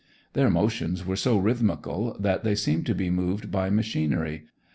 Their motions were so rhythmical that they seemed to be moved by machinery.